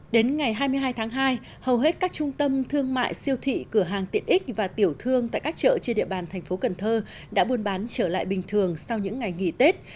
đến ngày hai mươi hai tháng hai hầu hết các trung tâm thương mại siêu thị cửa hàng tiện ích và tiểu thương tại các chợ trên địa bàn thành phố cần thơ đã buôn bán trở lại bình thường sau những ngày nghỉ tết